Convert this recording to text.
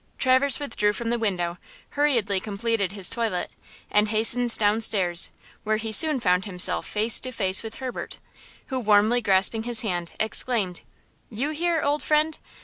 Traverse withdrew from the window, hurriedly completed his toilet, and hastened down stairs, where he soon found himself face to face with Herbert, who warmly grasping his hand, exclaimed: "You here, old friend?